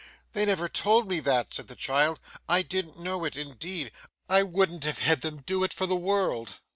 'They never told me that,' said the child. 'I didn't know it indeed. I wouldn't have had them do it for the world.